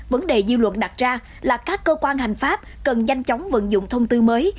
vấn đề dư luận đặt ra là các cơ quan hành pháp cần nhanh chóng vận dụng thông tư mới